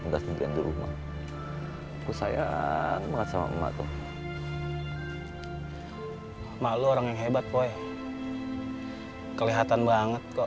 terjadi di rumah saya masa waktu maklum orang yang hebat woi kelihatan banget kok